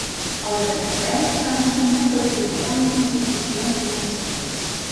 El gratacel està dissenyat per allotjar les institucions financeres.